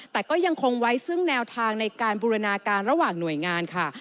แต่ก็ยังคงไว้ซึ่งแนวทางในการบูรณาการระหว่างหน่วยงานค่ะ